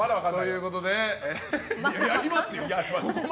やりますよ。